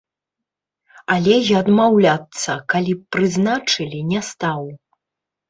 Але і адмаўляцца, калі б прызначылі, не стаў.